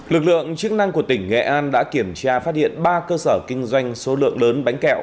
lực lượng chức năng của tỉnh nghệ an đã kiểm tra phát hiện ba cơ sở kinh doanh số lượng lớn bánh kẹo